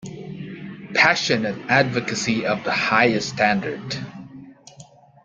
Passionate advocacy of the highest standard.